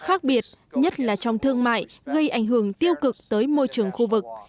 khác biệt nhất là trong thương mại gây ảnh hưởng tiêu cực tới môi trường khu vực